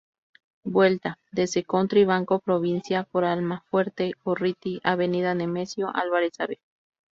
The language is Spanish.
Vuelta: Desde Country Banco Provincia por Almafuerte, Gorriti, Avenida Nemesio Álvarez, Av.